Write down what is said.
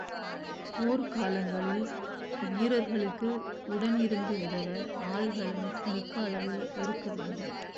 போர்க் காலங்களில் வீரர்களுக்கு உடன் இருந்து உதவ ஆள்களும் மிக்க அளவில் இருக்க வேண்டும்.